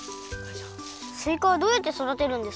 すいかはどうやってそだてるんですか？